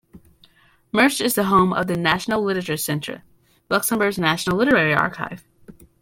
Mersch is the home of the National Literature Centre, Luxembourg's national literary archive.